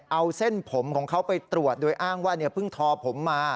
เอาเส้นผมของเขาไปตรวจโดยอ้างว่าเพิ่งทอผมมา